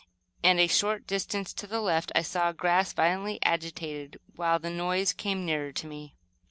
and, a short distance to the left I saw the grass violently agitated, while the noise came nearer to me.